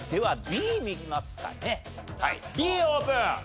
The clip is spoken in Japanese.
はいＢオープン！